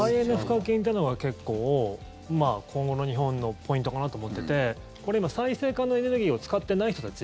でも再エネ賦課金というのが結構、今後の日本のポイントかなと思っていてこれ、今、再生可能エネルギーを使っていない人たち